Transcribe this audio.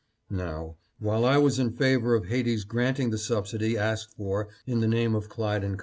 " Now, while I was in favor of Haiti's granting the subsidy asked for in the name of Clyde & Co.